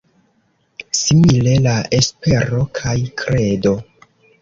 Simile la Espero kaj kredo.